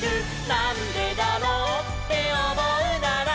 「なんでだろうっておもうなら」